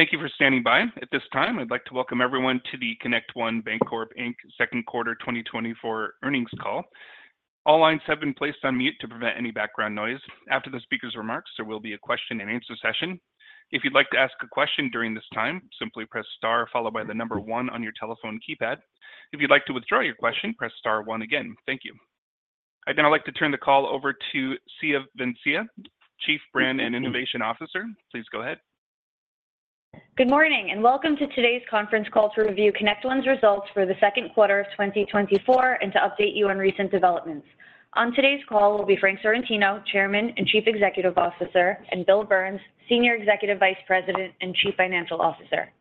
Thank you for standing by. At this time, I'd like to welcome everyone to the ConnectOne Bancorp Inc. second quarter 2024 earnings call. All lines have been placed on mute to prevent any background noise. After the speaker's remarks, there will be a question and answer session. If you'd like to ask a question during this time, simply press star followed by the number one on your telephone keypad. If you'd like to withdraw your question, press star one again. Thank you. I'd now like to turn the call over to Siya Vansia, Chief Brand and Innovation Officer. Please go ahead. Good morning, and welcome to today's conference call to review ConnectOne's results for the second quarter of 2024, and to update you on recent developments. On today's call will be Frank Sorrentino, Chairman and Chief Executive Officer, and Bill Burns, Senior Executive Vice President and Chief Financial Officer.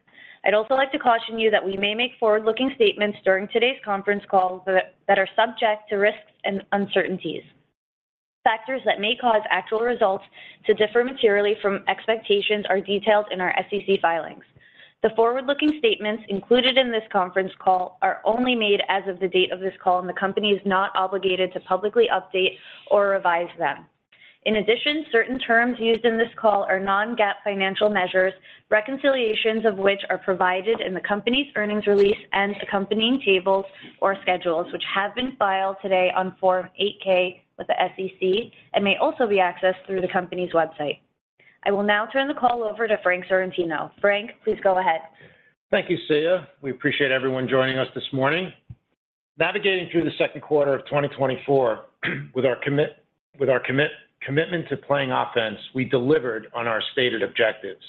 I'd also like to caution you that we may make forward-looking statements during today's conference call that are subject to risks and uncertainties. Factors that may cause actual results to differ materially from expectations are detailed in our SEC filings. The forward-looking statements included in this conference call are only made as of the date of this call, and the company is not obligated to publicly update or revise them. In addition, certain terms used in this call are Non-GAAP financial measures, reconciliations of which are provided in the company's earnings release and accompanying tables or schedules, which have been filed today on Form 8-K with the SEC and may also be accessed through the company's website. I will now turn the call over to Frank Sorrentino. Frank, please go ahead. Thank you, Siya. We appreciate everyone joining us this morning. Navigating through the second quarter of 2024, with our commitment to playing offense, we delivered on our stated objectives.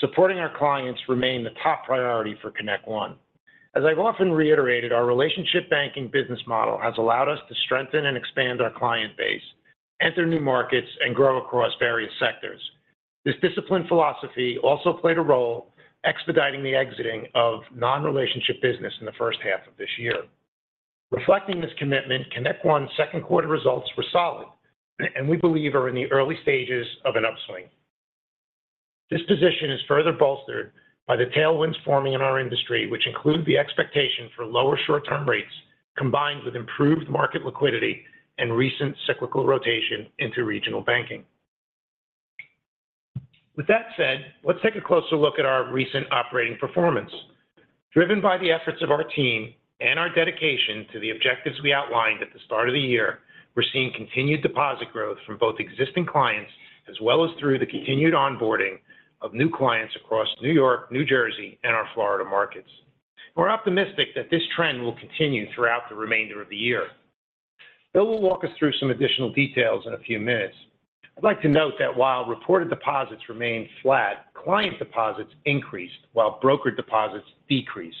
Supporting our clients remained the top priority for ConnectOne. As I've often reiterated, our relationship banking business model has allowed us to strengthen and expand our client base, enter new markets, and grow across various sectors. This disciplined philosophy also played a role expediting the exiting of non-relationship business in the first half of this year. Reflecting this commitment, ConnectOne's second quarter results were solid, and we believe are in the early stages of an upswing. This position is further bolstered by the tailwinds forming in our industry, which include the expectation for lower short-term rates, combined with improved market liquidity and recent cyclical rotation into regional banking. With that said, let's take a closer look at our recent operating performance. Driven by the efforts of our team and our dedication to the objectives we outlined at the start of the year, we're seeing continued deposit growth from both existing clients as well as through the continued onboarding of new clients across New York, New Jersey, and our Florida markets. We're optimistic that this trend will continue throughout the remainder of the year. Bill will walk us through some additional details in a few minutes. I'd like to note that while reported deposits remained flat, client deposits increased while broker deposits decreased.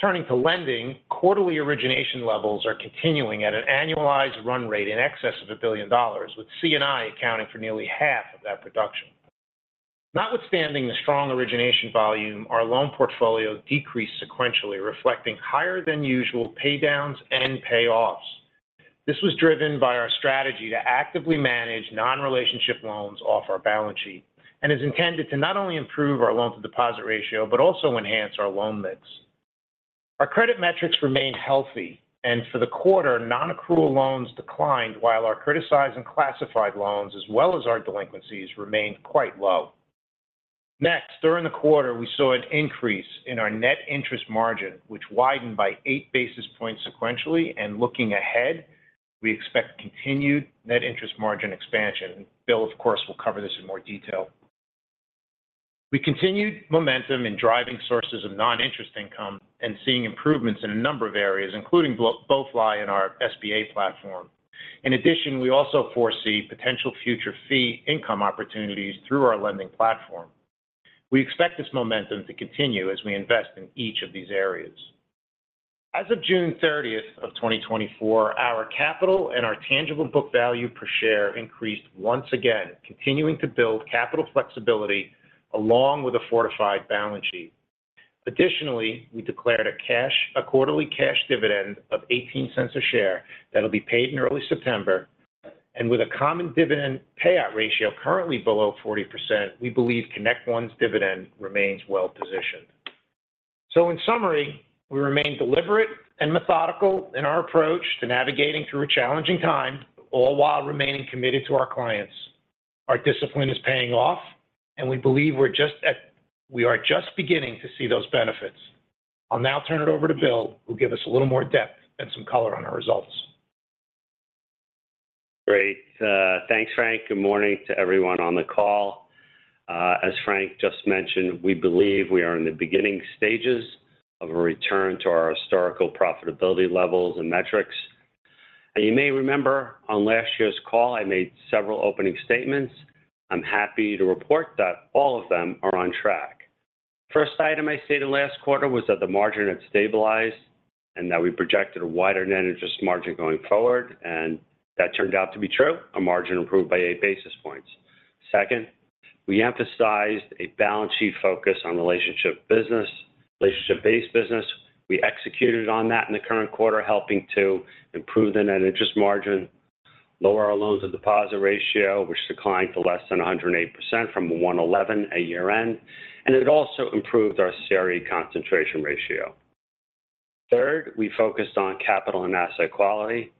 Turning to lending, quarterly origination levels are continuing at an annualized run rate in excess of $1 billion, with C&I accounting for nearly half of that production. Notwithstanding the strong origination volume, our loan portfolio decreased sequentially, reflecting higher than usual paydowns and payoffs. This was driven by our strategy to actively manage non-relationship loans off our balance sheet and is intended to not only improve our loan-to-deposit ratio, but also enhance our loan mix. Our credit metrics remained healthy, and for the quarter, non-accrual loans declined, while our criticized and classified loans, as well as our delinquencies, remained quite low. Next, during the quarter, we saw an increase in our net interest margin, which widened by eight basis points sequentially, and looking ahead, we expect continued net interest margin expansion. Bill, of course, will cover this in more detail. We continued momentum in driving sources of non-interest income and seeing improvements in a number of areas, including BoeFly and our SBA platform. In addition, we also foresee potential future fee income opportunities through our lending platform. We expect this momentum to continue as we invest in each of these areas. As of June 30, 2024, our capital and our tangible book value per share increased once again, continuing to build capital flexibility along with a fortified balance sheet. Additionally, we declared a quarterly cash dividend of $0.18 a share that'll be paid in early September, and with a common dividend payout ratio currently below 40%, we believe ConnectOne's dividend remains well positioned. So in summary, we remain deliberate and methodical in our approach to navigating through a challenging time, all while remaining committed to our clients. Our discipline is paying off, and we believe we are just beginning to see those benefits. I'll now turn it over to Bill, who'll give us a little more depth and some color on our results. Great. Thanks, Frank. Good morning to everyone on the call. As Frank just mentioned, we believe we are in the beginning stages of a return to our historical profitability levels and metrics. You may remember on last year's call, I made several opening statements. I'm happy to report that all of them are on track. First item I stated last quarter was that the margin had stabilized and that we projected a wider net interest margin going forward, and that turned out to be true. Our margin improved by eight basis points. Second, we emphasized a balance sheet focus on relationship business, relationship-based business. We executed on that in the current quarter, helping to improve the net interest margin, lower our loans to deposit ratio, which declined to less than 108% from 111% year-end, and it also improved our CRE concentration ratio. Third, we focused on capital and asset quality.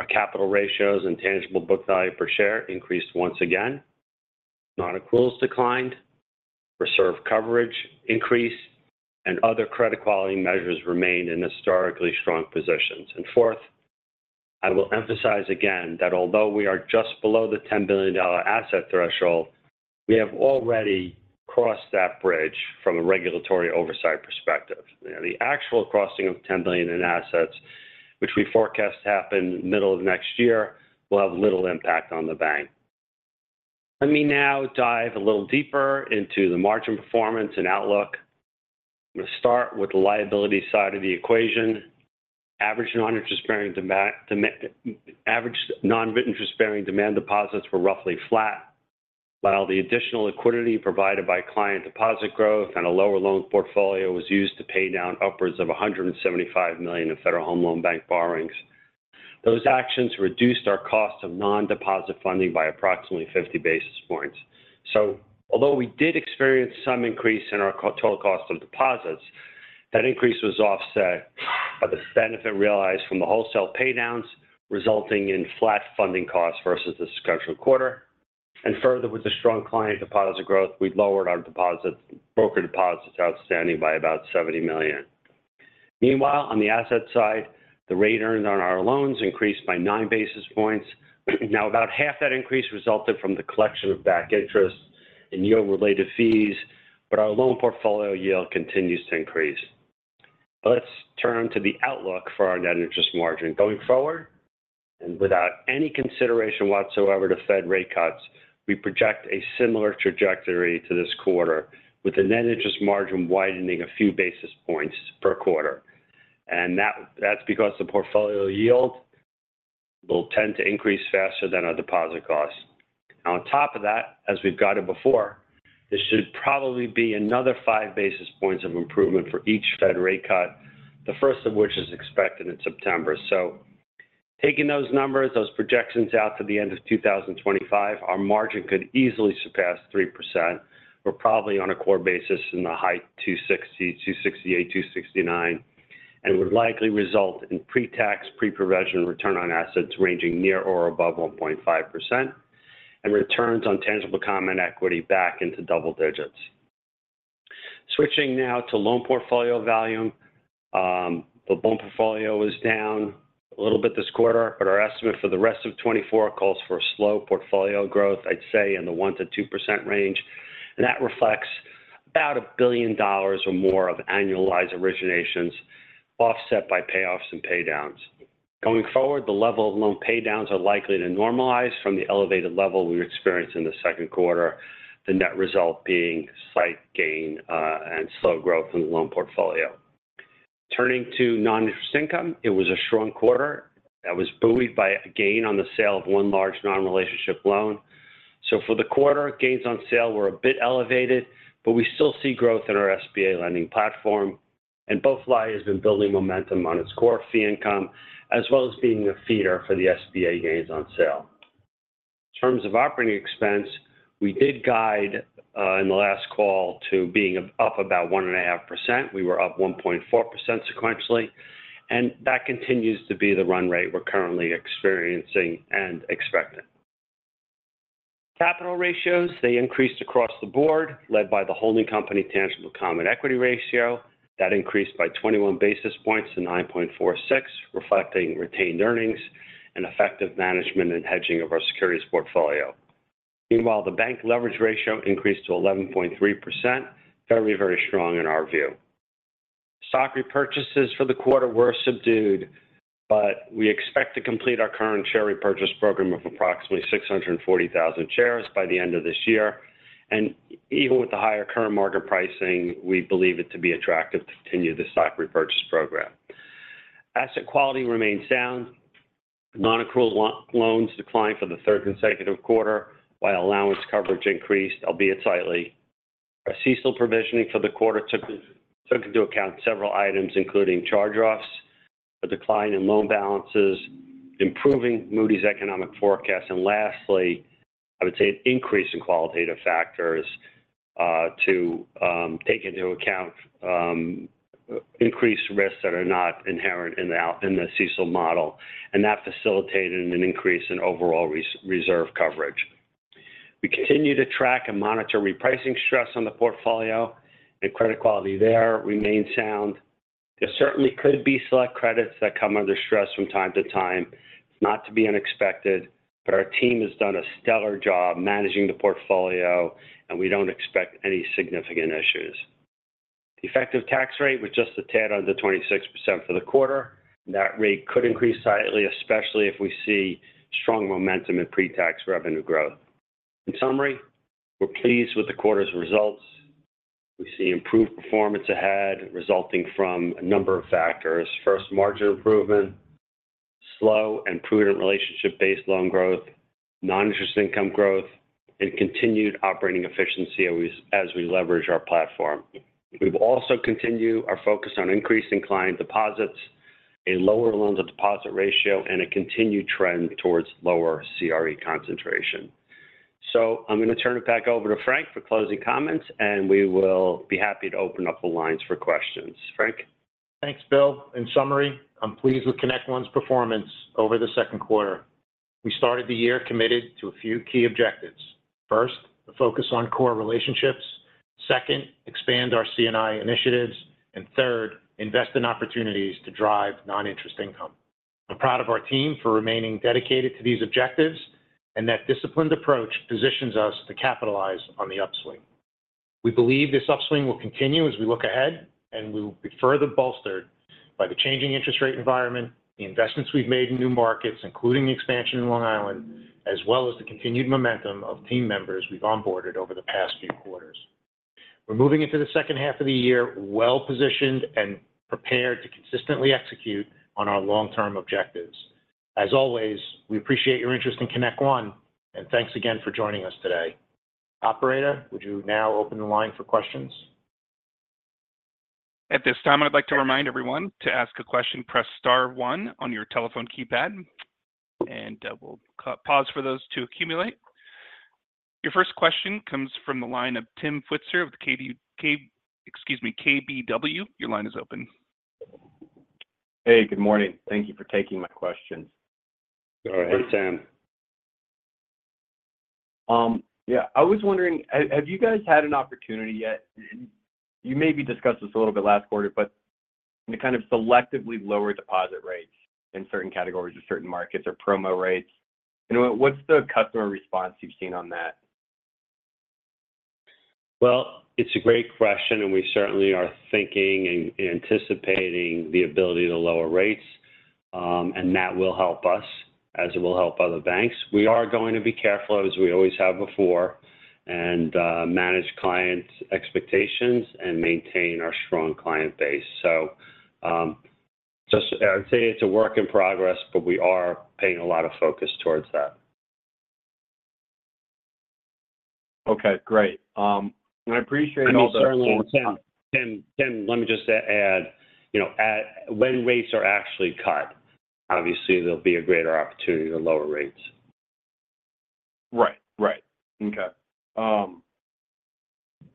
Our capital ratios and tangible book value per share increased once again. Nonaccruals declined, reserve coverage increased, and other credit quality measures remained in historically strong positions. Fourth, I will emphasize again that although we are just below the $10 billion asset threshold, we have already crossed that bridge from a regulatory oversight perspective. The actual crossing of $10 billion in assets, which we forecast to happen middle of next year, will have little impact on the bank. Let me now dive a little deeper into the margin performance and outlook. I'm going to start with the liability side of the equation. Average non-interest-bearing demand deposits were roughly flat, while the additional liquidity provided by client deposit growth and a lower loan portfolio was used to pay down upwards of $175 million in Federal Home Loan Bank borrowings. Those actions reduced our cost of non-deposit funding by approximately 50 basis points. So although we did experience some increase in our total cost of deposits, that increase was offset by the benefit realized from the wholesale paydowns, resulting in flat funding costs versus this discussion quarter. And further, with the strong client deposit growth, we've lowered our broker deposits outstanding by about $70 million. Meanwhile, on the asset side, the rate earned on our loans increased by 9 basis points. Now, about half that increase resulted from the collection of back interest and yield-related fees, but our loan portfolio yield continues to increase. Let's turn to the outlook for our net interest margin. Going forward, and without any consideration whatsoever to Fed rate cuts, we project a similar trajectory to this quarter, with the net interest margin widening a few basis points per quarter. And that, that's because the portfolio yield will tend to increase faster than our deposit costs. On top of that, as we've guided before, this should probably be another 5 basis points of improvement for each Fed rate cut, the first of which is expected in September. So taking those numbers, those projections out to the end of 2025, our margin could easily surpass 3%. We're probably on a core basis in the high 2.60, 2.68, 2.69, and would likely result in pre-tax, pre-provision return on assets ranging near or above 1.5% and returns on tangible common equity back into double digits. Switching now to loan portfolio volume. The loan portfolio was down a little bit this quarter, but our estimate for the rest of 2024 calls for a slow portfolio growth, I'd say in the 1%-2% range, and that reflects about $1 billion or more of annualized originations, offset by payoffs and paydowns. Going forward, the level of loan paydowns are likely to normalize from the elevated level we experienced in the second quarter, the net result being slight gain, and slow growth in the loan portfolio. Turning to non-interest income, it was a strong quarter that was buoyed by a gain on the sale of 1 large non-relationship loan. So for the quarter, gains on sale were a bit elevated, but we still see growth in our SBA lending platform, and BoeFly has been building momentum on its core fee income, as well as being a feeder for the SBA gains on sale. In terms of operating expense, we did guide in the last call to being up about 1.5%. We were up 1.4% sequentially, and that continues to be the run rate we're currently experiencing and expecting. Capital ratios, they increased across the board, led by the holding company tangible common equity ratio. That increased by 21 basis points to 9.46, reflecting retained earnings and effective management and hedging of our securities portfolio. Meanwhile, the bank leverage ratio increased to 11.3%. Very, very strong in our view. Stock repurchases for the quarter were subdued, but we expect to complete our current share repurchase program of approximately 640,000 shares by the end of this year. Even with the higher current market pricing, we believe it to be attractive to continue the stock repurchase program. Asset quality remains sound. Nonaccrual loans declined for the third consecutive quarter, while allowance coverage increased, albeit slightly. Our CECL provisioning for the quarter took into account several items, including charge-offs, a decline in loan balances, improving Moody's economic forecast, and lastly, I would say an increase in qualitative factors to take into account increased risks that are not inherent in the CECL model, and that facilitated an increase in overall reserve coverage. We continue to track and monitor repricing stress on the portfolio and credit quality there remains sound. There certainly could be select credits that come under stress from time to time, not to be unexpected, but our team has done a stellar job managing the portfolio, and we don't expect any significant issues. The effective tax rate was just a tad under 26% for the quarter. That rate could increase slightly, especially if we see strong momentum in pre-tax revenue growth. In summary, we're pleased with the quarter's results. We see improved performance ahead, resulting from a number of factors. First, margin improvement, slow and prudent relationship-based loan growth, non-interest income growth, and continued operating efficiency as we leverage our platform. We will also continue our focus on increasing client deposits, a lower loan-to-deposit ratio, and a continued trend towards lower CRE concentration. So I'm gonna turn it back over to Frank for closing comments, and we will be happy to open up the lines for questions. Frank? Thanks, Bill. In summary, I'm pleased with ConnectOne's performance over the second quarter. We started the year committed to a few key objectives. First, the focus on core relationships. Second, expand our C&I initiatives. And third, invest in opportunities to drive non-interest income. I'm proud of our team for remaining dedicated to these objectives, and that disciplined approach positions us to capitalize on the upswing. We believe this upswing will continue as we look ahead, and we will be further bolstered by the changing interest rate environment, the investments we've made in new markets, including the expansion in Long Island, as well as the continued momentum of team members we've onboarded over the past few quarters. We're moving into the second half of the year well-positioned and prepared to consistently execute on our long-term objectives. As always, we appreciate your interest in ConnectOne, and thanks again for joining us today. Operator, would you now open the line for questions? At this time, I'd like to remind everyone, to ask a question, press star one on your telephone keypad, and we'll pause for those to accumulate. Your first question comes from the line of Tim Switzer of KBW. Your line is open. Hey, good morning. Thank you for taking my questions. Go ahead, Tim. Yeah, I was wondering, have you guys had an opportunity yet, and you maybe discussed this a little bit last quarter, but to kind of selectively lower deposit rates in certain categories or certain markets or promo rates? And what's the customer response you've seen on that? Well, it's a great question, and we certainly are thinking and anticipating the ability to lower rates. And that will help us, as it will help other banks. We are going to be careful, as we always have before, and manage clients' expectations and maintain our strong client base. So, just... I would say it's a work in progress, but we are paying a lot of focus towards that. Okay, great. And I appreciate all the- And certainly, Tim, Tim, Tim, let me just add, you know, when rates are actually cut, obviously there'll be a greater opportunity to lower rates. Right. Right. Okay.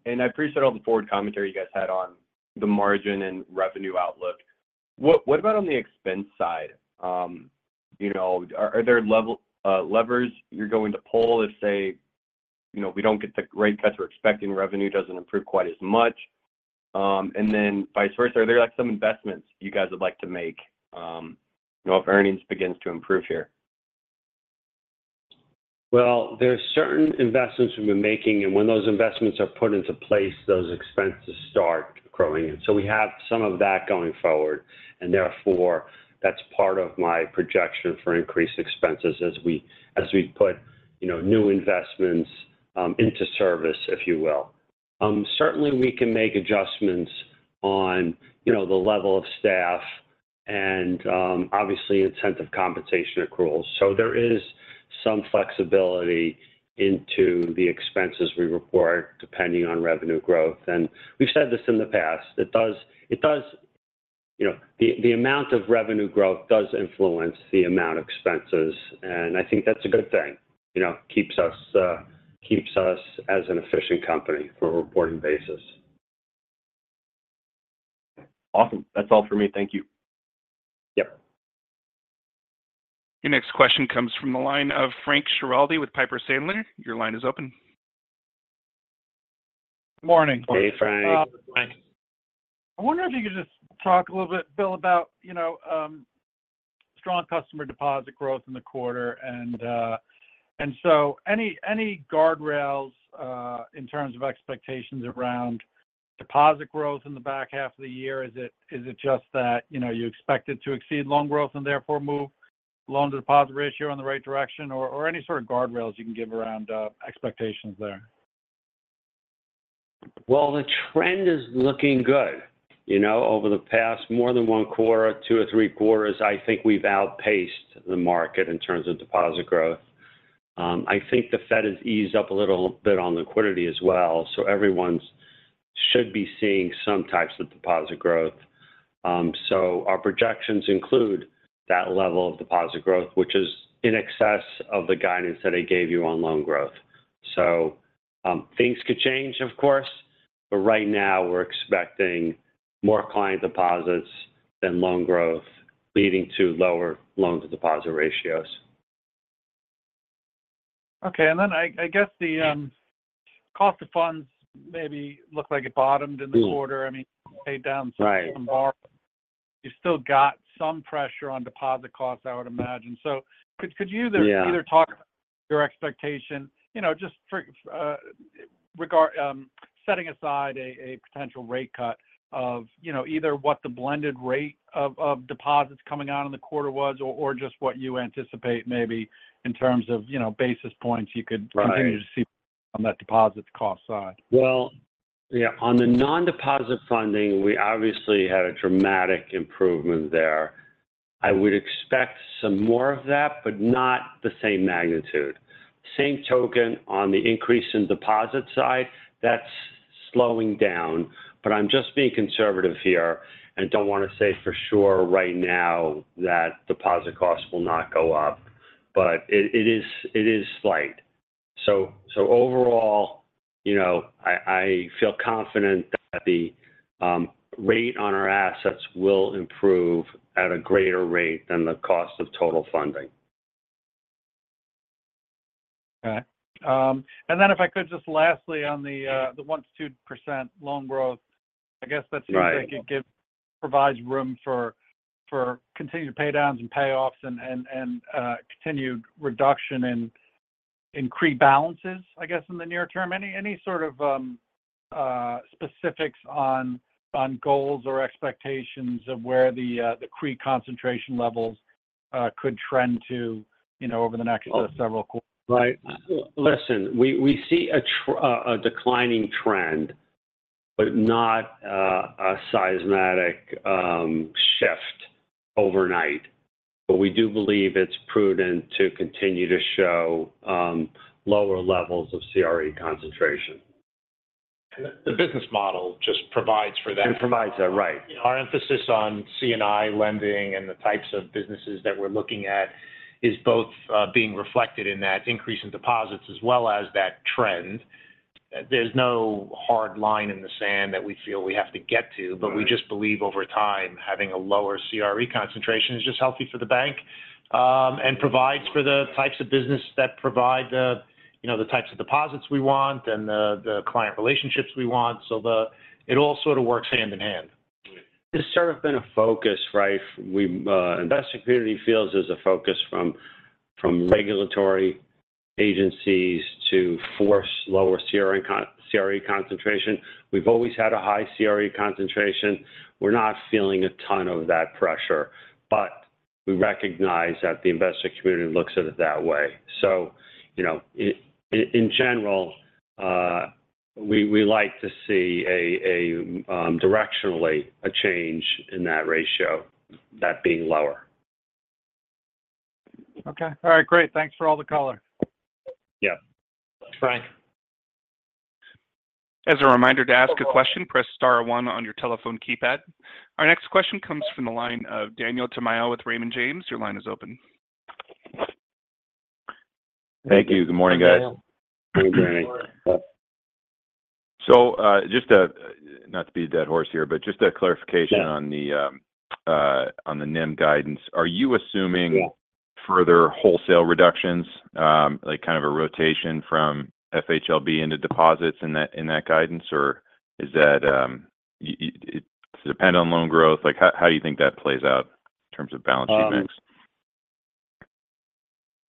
And I appreciate all the forward commentary you guys had on the margin and revenue outlook. What about on the expense side? You know, are there levers you're going to pull if, say, you know, we don't get the rate cuts we're expecting, revenue doesn't improve quite as much? And then vice versa, are there, like, some investments you guys would like to make, you know, if earnings begins to improve here? Well, there are certain investments we've been making, and when those investments are put into place, those expenses start growing. And so we have some of that going forward, and therefore, that's part of my projection for increased expenses as we put, you know, new investments into service, if you will. Certainly we can make adjustments on, you know, the level of staff and, obviously, incentive compensation accruals. So there is some flexibility into the expenses we report, depending on revenue growth, and we've said this in the past, it does... You know, the amount of revenue growth does influence the amount of expenses, and I think that's a good thing. You know, keeps us as an efficient company for a reporting basis. Awesome. That's all for me. Thank you. Yep. Your next question comes from the line of Frank Schiraldi with Piper Sandler. Your line is open. Morning. Hey, Frank. I wonder if you could just talk a little bit, Bill, about, you know, strong customer deposit growth in the quarter, and so any guardrails in terms of expectations around deposit growth in the back half of the year? Is it just that, you know, you expect it to exceed loan growth and therefore move loan-to-deposit ratio in the right direction? Or any sort of guardrails you can give around expectations there. Well, the trend is looking good. You know, over the past more than one quarter, two or three quarters, I think we've outpaced the market in terms of deposit growth. I think the Fed has eased up a little bit on liquidity as well, so everyone should be seeing some types of deposit growth. So, our projections include that level of deposit growth, which is in excess of the guidance that I gave you on loan growth. So, things could change, of course, but right now we're expecting more client deposits than loan growth, leading to lower loan-to-deposit ratios. Okay. And then I guess the cost of funds maybe looked like it bottomed in the quarter- Mm. I mean, paid down- Right. You still got some pressure on deposit costs, I would imagine. So could you- Yeah... either talk your expectation, you know, just for the record, setting aside a potential rate cut of, you know, either what the blended rate of deposits coming out in the quarter was or just what you anticipate maybe in terms of, you know, basis points, you could- Right... continue to see on that deposit cost side? Well, yeah, on the non-deposit funding, we obviously had a dramatic improvement there. I would expect some more of that, but not the same magnitude. Same token, on the increase in deposit side, that's slowing down, but I'm just being conservative here and don't want to say for sure right now that deposit costs will not go up. But it, it is, it is slight. So, so overall, you know, I, I feel confident that the rate on our assets will improve at a greater rate than the cost of total funding. All right. And then if I could just lastly on the, the 1%-2% loan growth, I guess that's- Right -where I could give-- provides room for continued pay downs and payoffs and continued reduction in CRE balances, I guess, in the near term. Any sort of specifics on goals or expectations of where the CRE concentration levels could trend to, you know, over the next several quarters? Right. Listen, we see a declining trend, but not a seismic shift overnight. But we do believe it's prudent to continue to show lower levels of CRE concentration. The business model just provides for that. It provides that, right. Our emphasis on C&I lending and the types of businesses that we're looking at is both being reflected in that increase in deposits as well as that trend. There's no hard line in the sand that we feel we have to get to- Right... but we just believe over time, having a lower CRE concentration is just healthy for the bank, and provides for the types of business that provide the, you know, the types of deposits we want and the client relationships we want. So it all sort of works hand in hand. It's sort of been a focus, right? We, investor community feels there's a focus from regulatory agencies to force lower CRE concentration. We've always had a high CRE concentration. We're not feeling a ton of that pressure, but we recognize that the investor community looks at it that way. So, you know, in general, we like to see directionally a change in that ratio, that being lower. Okay. All right, great. Thanks for all the color. Yeah. Thanks. As a reminder, to ask a question, press star one on your telephone keypad. Our next question comes from the line of Daniel Tamayo with Raymond James. Your line is open. Thank you. Good morning, guys. Hi, Daniel. Good morning. So, not to beat a dead horse here, but just a clarification- Yeah... on the NIM guidance. Are you assuming- Yeah ... further wholesale reductions, like kind of a rotation from FHLB into deposits in that, in that guidance? Or is that it depend on loan growth? Like, how do you think that plays out in terms of balance sheets?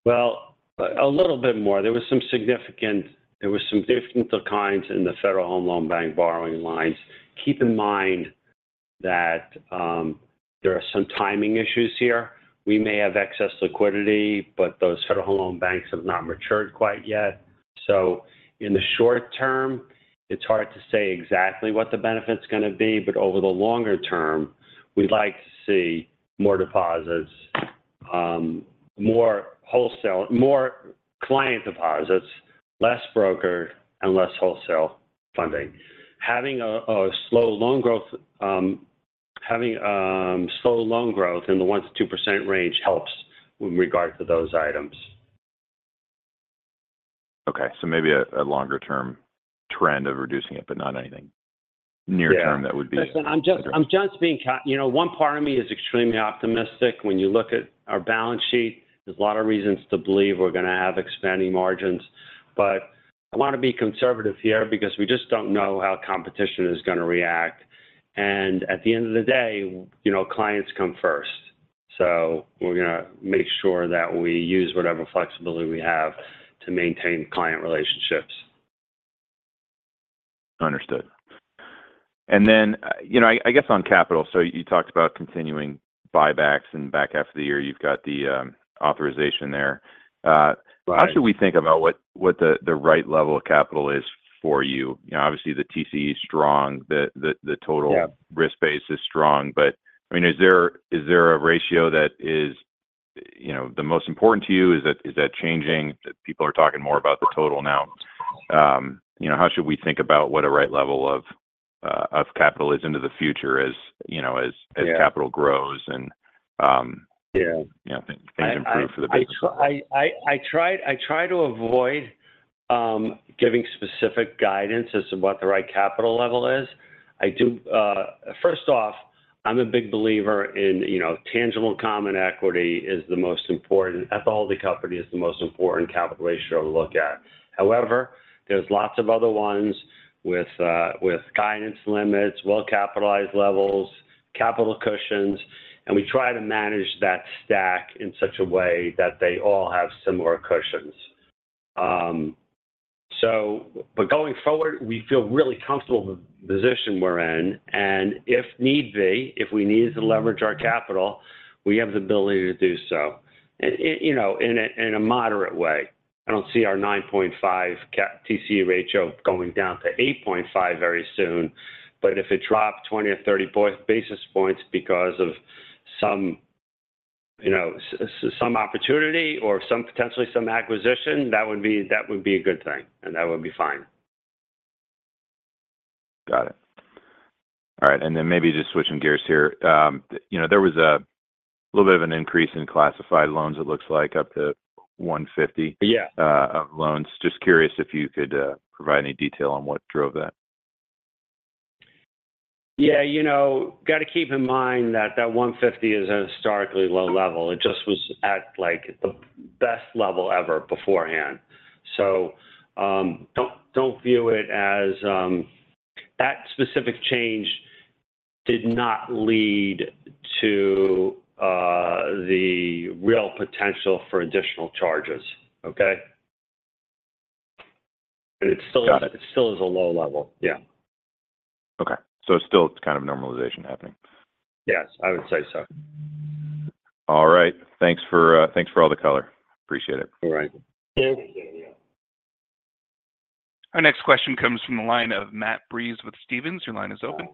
Well, a little bit more. There was some significant declines in the Federal Home Loan Bank borrowing lines. Keep in mind that, there are some timing issues here. We may have excess liquidity, but those Federal Home Loan banks have not matured quite yet. So in the short term, it's hard to say exactly what the benefit's gonna be, but over the longer term, we'd like to see more deposits, more wholesale, more client deposits, less broker, and less wholesale funding. Having slow loan growth in the 1%-2% range helps with regard to those items. Okay, so maybe a longer-term trend of reducing it, but not anything- Yeah... near-term that would be- Listen, I'm just, I'm just being cautious, you know, one part of me is extremely optimistic. When you look at our balance sheet, there's a lot of reasons to believe we're gonna have expanding margins. But I want to be conservative here because we just don't know how competition is gonna react. And at the end of the day, you know, clients come first. So we're gonna make sure that we use whatever flexibility we have to maintain client relationships. Understood. And then, you know, I guess on capital, so you talked about continuing buybacks and back half of the year, you've got the authorization there. Right. How should we think about what the right level of capital is for you? You know, obviously, the TCE is strong, the total- Yeah... risk-based is strong, but, I mean, is there, is there a ratio that is, you know, the most important to you? Is that, is that changing? People are talking more about the total now. You know, how should we think about what a right level of of capital is into the future, as, you know, as- Yeah... as capital grows and Yeah... you know, things, things improve for the business? I try to avoid giving specific guidance as to what the right capital level is. I do first off, I'm a big believer in, you know, tangible common equity is the most important, at all the company is the most important capital ratio to look at. However, there's lots of other ones with guidance limits, well-capitalized levels, capital cushions, and we try to manage that stack in such a way that they all have similar cushions. So but going forward, we feel really comfortable with the position we're in, and if need be, if we need to leverage our capital, we have the ability to do so, you know, in a moderate way. I don't see our 9.5% TCE ratio going down to 8.5% very soon, but if it dropped 20 or 30 basis points because of some—you know, some opportunity or some potential acquisition, that would be, that would be a good thing, and that would be fine. Got it. All right. And then maybe just switching gears here. You know, there was a little bit of an increase in classified loans. It looks like up to 150- Yeah of loans. Just curious if you could provide any detail on what drove that. Yeah. You know, got to keep in mind that that 150 is a historically low level. It just was at, like, the best level ever beforehand. So, don't view it as that specific change did not lead to the real potential for additional charges. Okay? But it still- Got it. It still is a low level. Yeah. Okay. So still it's kind of normalization happening? Yes, I would say so. All right. Thanks for, thanks for all the color. Appreciate it. All right. Thank you. Our next question comes from the line of Matt Breese with Stephens. Your line is open.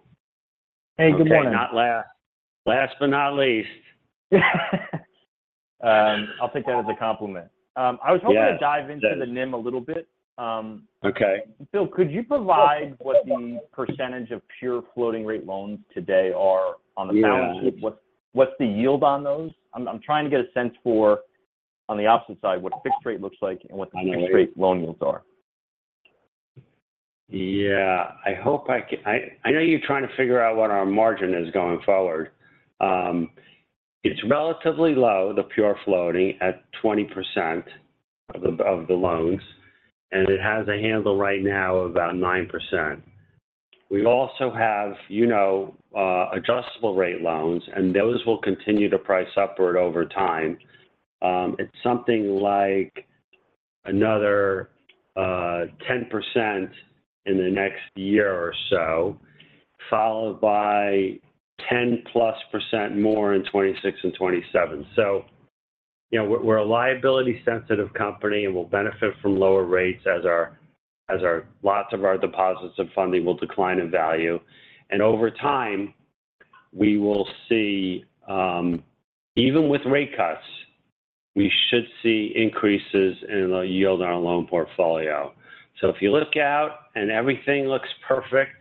Hey, good morning. Okay, not last. Last but not least. I'll take that as a compliment. I was- Yeah hoping to dive into the NIM a little bit. Okay. Bill, could you provide what the percentage of pure floating rate loans today are on the balance sheet? Yeah. What's the yield on those? I'm trying to get a sense for, on the opposite side, what a fixed rate looks like and what the fixed rate loan yields are. Yeah. I hope I know you're trying to figure out what our margin is going forward. It's relatively low, the pure floating, at 20% of the loans, and it has a handle right now of about 9%. We also have, you know, adjustable rate loans, and those will continue to price upward over time. It's something like another 10% in the next year or so, followed by 10%+ more in 2026 and 2027. So, you know, we're a liability-sensitive company and will benefit from lower rates as our lots of our deposits and funding will decline in value. And over time, we will see, even with rate cuts, we should see increases in the yield on our loan portfolio. So if you look out and everything looks perfect,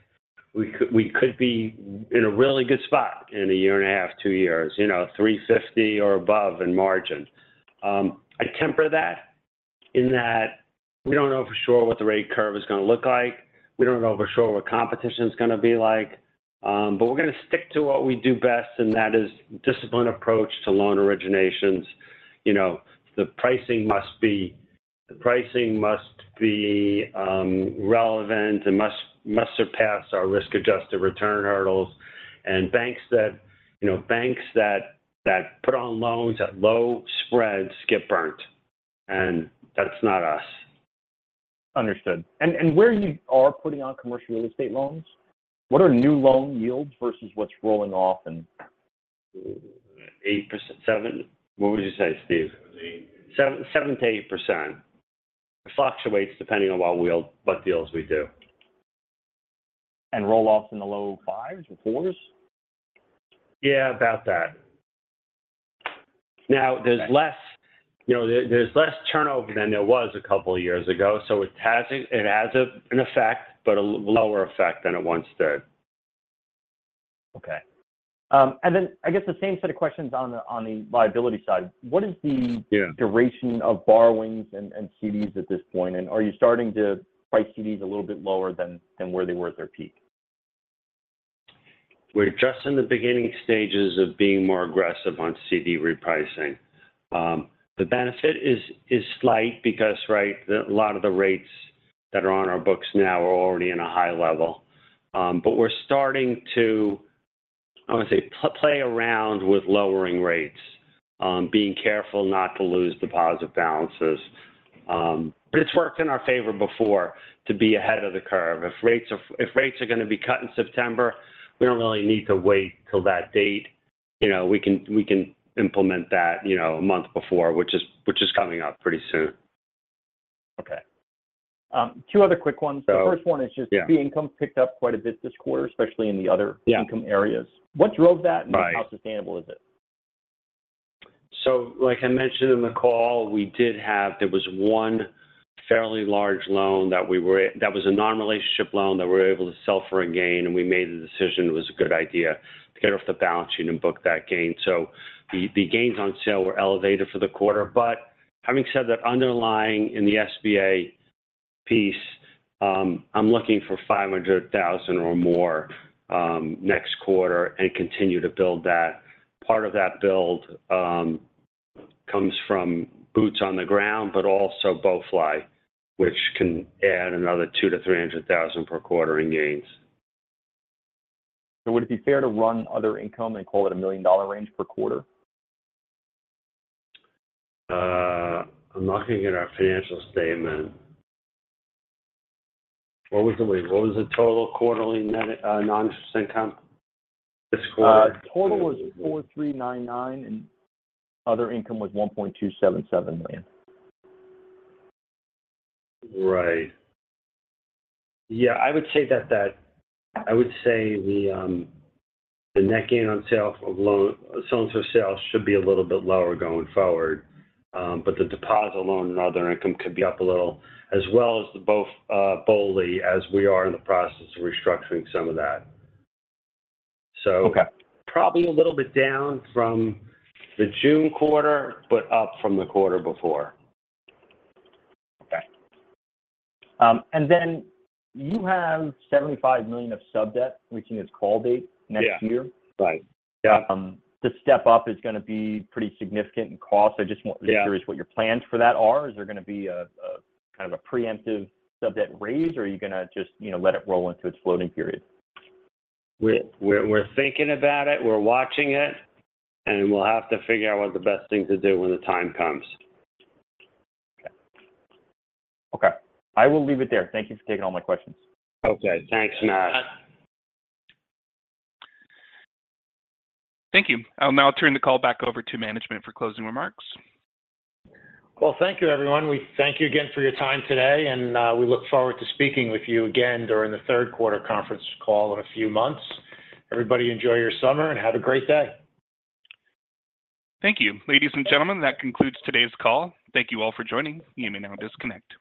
we could be in a really good spot in a year and a half, two years, you know, 3.50% or above in margin. I temper that in that we don't know for sure what the rate curve is going to look like. We don't know for sure what competition is going to be like. But we're going to stick to what we do best, and that is disciplined approach to loan originations. You know, the pricing must be relevant and must surpass our risk-adjusted return hurdles. And banks that, you know, put on loans at low spreads get burnt, and that's not us. Understood. Where you are putting on commercial real estate loans, what are new loan yields versus what's rolling off and- 8%, 7? What would you say, Steve? Seven, eight. 7%-8%. Fluctuates depending on what deals we do. Roll-offs in the low 5s or 4s? Yeah, about that. Now, there's less- Okay... you know, there's less turnover than there was a couple of years ago, so it has an, it has an effect, but a lower effect than it once did. Okay. And then I guess the same set of questions on the, on the liability side. What is the- Yeah duration of borrowings and CDs at this point? And are you starting to price CDs a little bit lower than where they were at their peak? We're just in the beginning stages of being more aggressive on CD repricing. The benefit is slight because, right, a lot of the rates that are on our books now are already in a high level. But we're starting to, I want to say, play around with lowering rates, being careful not to lose deposit balances. But it's worked in our favor before to be ahead of the curve. If rates are going to be cut in September, we don't really need to wait till that date. You know, we can implement that, you know, a month before, which is coming up pretty soon. Okay. Two other quick ones. Go. The first one is just- Yeah the income picked up quite a bit this quarter, especially in the other- Yeah income areas. What drove that? Right. How sustainable is it? So like I mentioned in the call, we did have—there was one fairly large loan that was a non-relationship loan that we were able to sell for a gain, and we made the decision it was a good idea to get it off the balance sheet and book that gain. So the gains on sale were elevated for the quarter. But having said that, underlying in the SBA piece, I'm looking for $500,000 or more next quarter and continue to build that. Part of that build comes from boots on the ground, but also BoeFly, which can add another $200,000-$300,000 per quarter in gains. Would it be fair to run other income and call it a $1 million range per quarter? I'm not going to get our financial statement. What was the total quarterly net non-interest income this quarter? Total was $4,399, and other income was $1.277 million. Right. Yeah, I would say the net gain on sale of loans for sale should be a little bit lower going forward. But the deposit loan and other income could be up a little, as well as the BOLI, as we are in the process of restructuring some of that. So- Okay... probably a little bit down from the June quarter, but up from the quarter before. Okay. And then you have $75 million of subdebt, reaching its call date next year. Yeah. Right. Yeah. The step up is going to be pretty significant in cost. I just want- Yeah to be curious what your plans for that are. Is there going to be a, a kind of a preemptive subdebt raise, or are you going to just, you know, let it roll into its floating period? We're thinking about it, we're watching it, and we'll have to figure out what the best thing to do when the time comes. Okay. Okay, I will leave it there. Thank you for taking all my questions. Okay. Thanks, Matt. Thank you. I'll now turn the call back over to management for closing remarks. Well, thank you, everyone. We thank you again for your time today, and, we look forward to speaking with you again during the third quarter conference call in a few months. Everybody, enjoy your summer and have a great day. Thank you. Ladies and gentlemen, that concludes today's call. Thank you all for joining. You may now disconnect.